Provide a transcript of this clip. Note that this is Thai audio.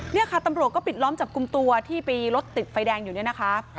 นี่ค่ะตำรวจก็ปิดล้อมจับกลุ่มตัวที่ไปรถติดไฟแดงอยู่เนี่ยนะคะ